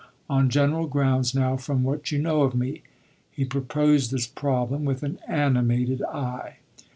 On general grounds, now, from what you know of me?" He proposed this problem with an animated eye.